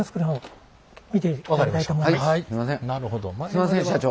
すんません社長。